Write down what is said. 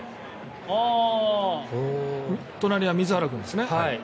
隣は水原君ですね。